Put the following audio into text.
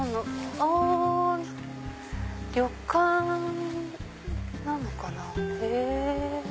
お旅館なのかな？